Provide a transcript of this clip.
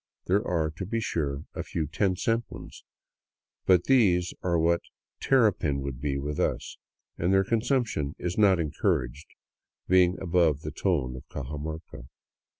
There are, to be sure, a few ten cent ones, but these are what terrapin would be with us, and their consumption is not encouraged, being above the tone of Cajamarca.